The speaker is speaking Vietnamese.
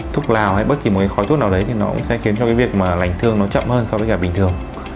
thuốc lào hay bất kỳ một cái khói thuốc nào đấy thì nó cũng sẽ khiến cho cái việc mà lành thương nó chậm hơn so với cả bình thường